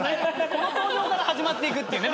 この登場から始まるっていうね。